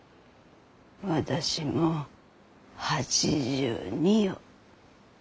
私も８２よ。